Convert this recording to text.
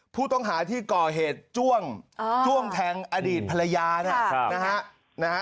ผู้ต้องหาที่ก่อเหตุจ้วงจ้วงแทงอดีตภรรยานะฮะ